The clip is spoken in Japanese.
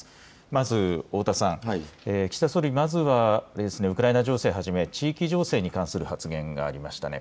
まず、太田さん、岸田総理、まずはウクライナ情勢をはじめ、地域情勢に関する発言がありましたね。